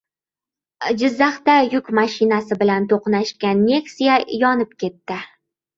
Jizzaxda yuk mashinasi bilan to‘qnashgan «Nexia» yonib ketdi